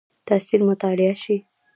تاثیر مطالعه شي.